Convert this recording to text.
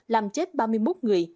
làm chết ba mươi một người